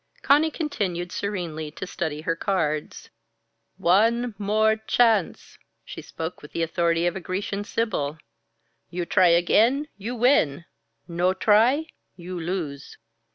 Conny continued serenely to study her cards. "One More Chance!" She spoke with the authority of a Grecian sibyl. "You try again, you win. No try, you lose."